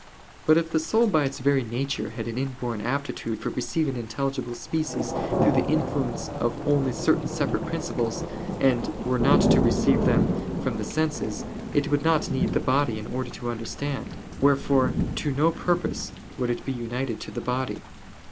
But if the soul by its very nature had an inborn aptitude for receiving intelligible species through the influence of only certain separate principles, and were not to receive them from the senses, it would not need the body in order to understand: wherefore to no purpose would it be united to the body.